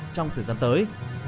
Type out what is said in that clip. trong thời gian tới